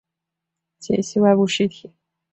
解析外部实体。